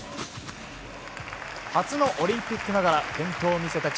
初のオリンピックながら健闘を見せた岸。